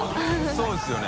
そうですよね。